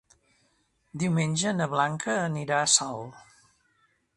Diumenge na Blanca anirà a Salt.